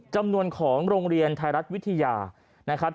จำนวนของโรงเรียนไทยรัฐวิทยานะครับ